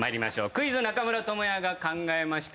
「クイズ中村倫也が考えました」